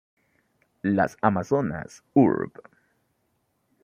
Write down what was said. Las Amazonas, Urb.